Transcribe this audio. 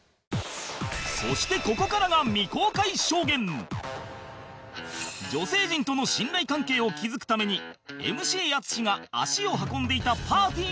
そして女性陣との信頼関係を築くために ＭＣ 淳が足を運んでいたパーティーがあった